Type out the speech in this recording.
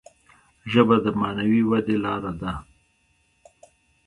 ژبه د معنوي ودي لاره ده.